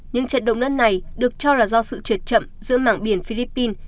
những trận động đất này được cho là do sự trượt chậm giữa mạng biển philippines